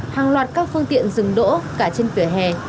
hàng loạt các phương tiện dừng đỗ cả trên vỉa hè